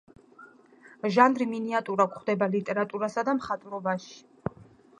ჟანრი მინიატურა გვხვდება ლიტერატურასა და მხატვრობაში.